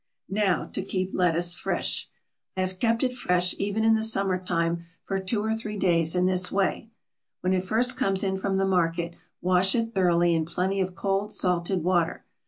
Now to keep lettuce fresh. I have kept it fresh, even in the summer time, for two or three days in this way: When it first comes in from the market wash it thoroughly in plenty of cold salted water.